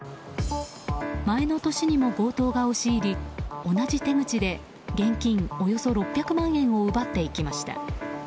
前の年にも強盗が押し入り同じ手口で現金およそ６００万円を奪っていきました。